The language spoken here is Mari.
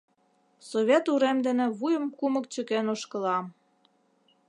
Совет урем дене вуйым кумык чыкен ошкылам.